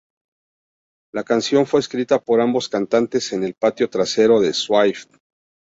La canción fue escrita por ambos cantantes en el patio trasero de Swift.